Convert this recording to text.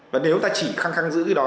và nếu ta chỉ khăng khăng giữ cái đó